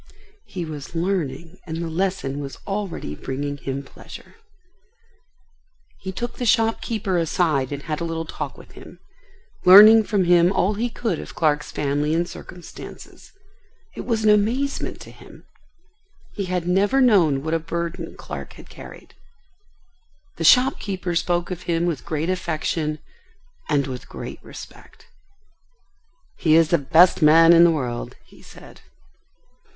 He was learning and the lesson was already bringing him pleasure. He took the shopkeeper aside and had a little talk with him, learning from him all he could of Clark's family and circumstances. It was an amazement to him. He had never known what a burden Clark had carried. The shopkeeper spoke of him with great affection and with great respect. "He is the best man in the world," he said.